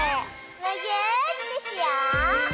むぎゅーってしよう！